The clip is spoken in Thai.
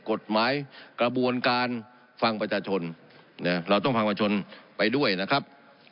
กระบวนการฟังประชาชนเราต้องฟังประชาชนไปด้วยนะครับ